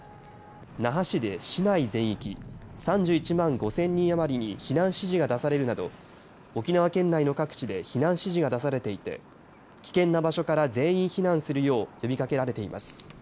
那覇市で市内全域３１万５０００人余りに避難指示が出されるなど沖縄県内の各地で避難指示が出されていて危険な場所から全員避難するよう呼びかけられています。